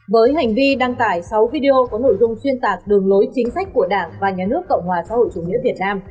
với hành vi đăng tải sáu video có nội dung xuyên tạc đường lối chính sách của đảng và nhà nước cộng hòa xã hội chủ nghĩa việt nam